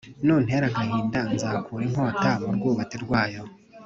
Nuntera agahinda Nzakura inkota murwubati rwayo